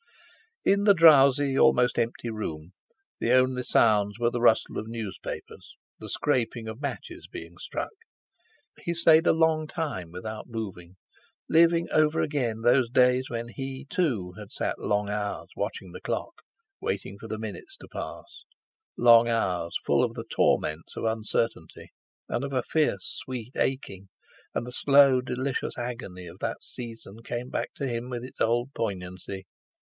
In the drowsy, almost empty room the only sounds were the rustle of newspapers, the scraping of matches being struck. He stayed a long time without moving, living over again those days when he, too, had sat long hours watching the clock, waiting for the minutes to pass—long hours full of the torments of uncertainty, and of a fierce, sweet aching; and the slow, delicious agony of that season came back to him with its old poignancy.